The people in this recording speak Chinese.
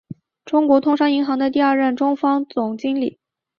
中国通商银行的第二任中方总经理。